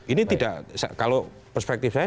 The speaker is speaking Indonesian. ini tidak kalau perspektif saya